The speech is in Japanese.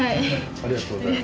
ありがとうございます。